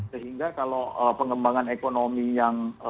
sehingga kalau pengembangan ekonomi yang